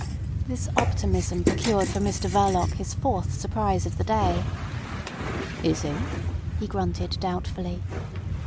This optimism procured for Mr Verloc his fourth surprise of the day. "Is he?" he grunted doubtfully.